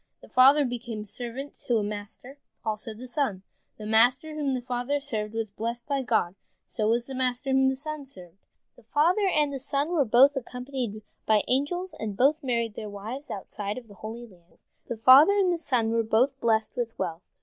The father became a servant to a master, also the son. The master whom the father served was blessed by God, so was the master whom the son served. The father and the son were both accompanied by angels, and both married their wives outside of the Holy Land. The father and the son were both blessed with wealth.